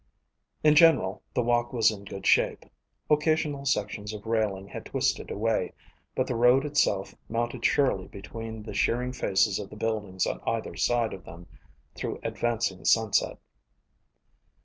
In general the walk was in good shape. Occasional sections of railing had twisted away, but the road itself mounted surely between the sheering faces of the buildings on either side of them through advancing sunset.